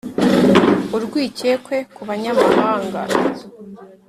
urwikekwe ku banyamahanga.